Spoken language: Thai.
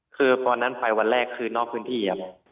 คือตอนนั้นไปวันแรกคือนอกพื้นที่ครับ